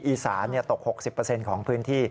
อีสานตก๖๐ของพื้นที่